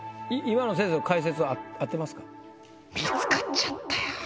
今の先生の解説は合ってますか？